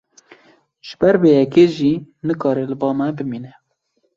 Ji ber vê yekê jî nikare li bal me bimîne.